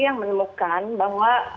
yang menemukan bahwa